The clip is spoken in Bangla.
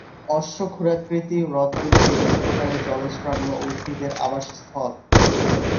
অশ্বক্ষুরাকৃতি হ্রদগুলি বিভিন্ন প্রকারের জলজ প্রাণী ও উদ্ভিদের আবাসস্থল।